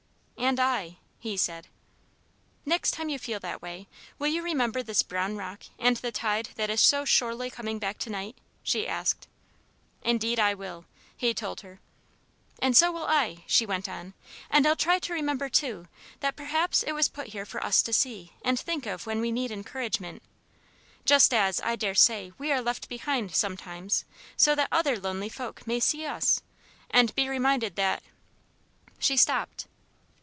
"And I," he said. "Next time you feel that way will you remember this brown rock and the tide that is so surely coming back tonight?" she asked. "Indeed I will," he told her. "And so will I," she went on. "And I'll try to remember, too, that perhaps it was put here for us to see and think of when we need encouragement just as, I dare say, we are left behind, sometimes, so that other lonely folk may see us and be reminded that " She stopped.